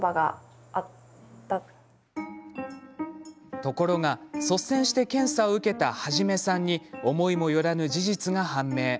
ところが率先して検査を受けたハジメさんに思いもよらぬ事実が判明。